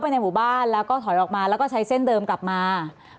ที่พี่บ้านทั้งละศักดิ์ก็ถอยออกมาใช้เส้นเดิมกลับมา